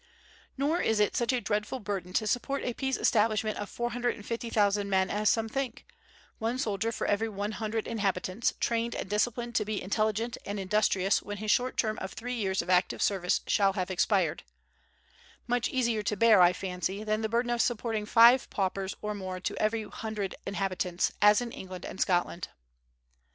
Nor is it such a dreadful burden to support a peace establishment of four hundred and fifty thousand men as some think, one soldier for every one hundred inhabitants, trained and disciplined to be intelligent and industrious when his short term of three years of active service shall have expired: much easier to bear, I fancy, than the burden of supporting five paupers or more to every hundred inhabitants, as in England and Scotland.